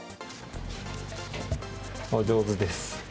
お上手です。